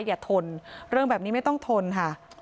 ทนเรื่องแบบนี้ไม่ต้องทนค่ะ